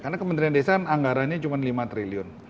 karena kementerian desa kan anggarannya cuma lima juta